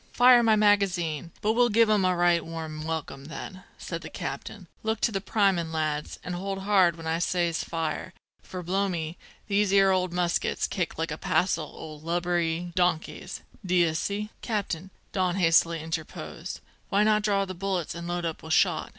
"Fire my magazine, but we'll give 'em a right warm welcome, then," said the captain. "Look to the primin', lads, an' hold hard when I says fire, for blow me, these 'ere old muskets kicks like a passel o' lubberly donkeys, d'ye see!" "Captain," Don hastily interposed, "why not draw the bullets and load up with shot?